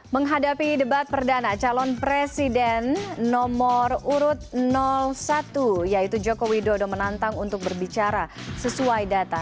menghadapi debat perdana calon presiden nomor urut satu yaitu jokowi dodo menantang untuk berbicara sesuai data